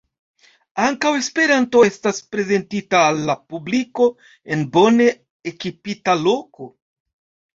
Ankaŭ Esperanto estas prezentita al la publiko en bone ekipita loko.